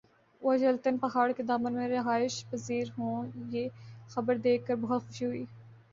میں چلتن پہاڑ کے دامن میں رہائش پزیر ھوں یہ خبر دیکھ کر بہت خوشی ہوئ